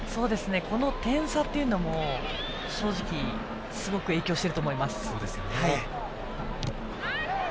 この点差というのも正直、すごく影響していると思います。